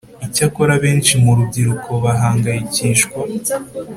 Icyakora abenshi mu rubyiruko bahangayikishwa